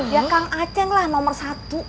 ya kang aceng lah nomor satu